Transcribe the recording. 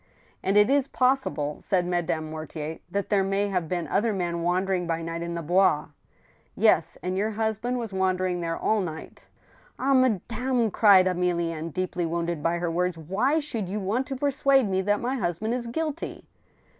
" And it is possible," said Madame Mortier, " that there may have been other men wandering by night in the Bois." " Yes ; and your husband was wandering there all night." "Ah, madame!" cried Emilienne, deeply wounded by her words, " why should you want to persuade me that my husband is guilty?"